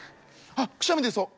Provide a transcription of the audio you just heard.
あっくしゃみでそう。